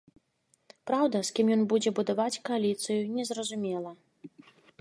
Праўда, з кім ён будзе будаваць кааліцыю, не зразумела.